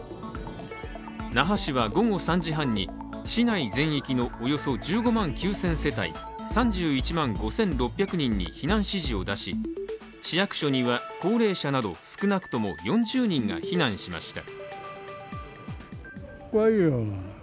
那覇市は午後３時半に市内全域のおよそ１５万９０００世帯３１万５６００人に避難指示を出し、市役所には高齢者など少なくとも４０人が避難しました。